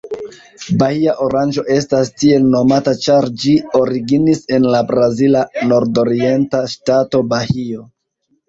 Bahia oranĝo estas tiel nomata ĉar ĝi originis en la brazila nordorienta ŝtato Bahio.